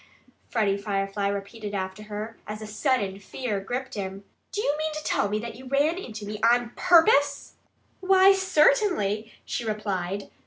Freddie Firefly repeated after her, as a sudden fear gripped him. "Do you mean to tell me that you ran into me ON PURPOSE?" "Why, certainly!" she replied.